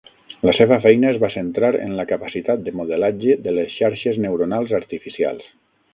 La seva feina es va centrar en la capacitat de modelatge de les xarxes neuronals artificials.